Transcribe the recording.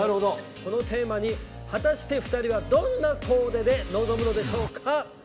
このテーマに果たして２人はどんなコーデで臨むのでしょうか？